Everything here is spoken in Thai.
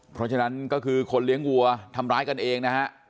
เพราะฉะนั้นก็คือคนเลี้ยงวัวทำร้ายกันเองนะฮะ